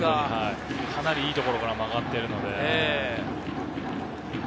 かなりいいところから曲がっているので。